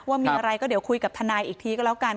ว่ามีอะไรก็เดี๋ยวคุยกับทนายอีกทีก็แล้วกัน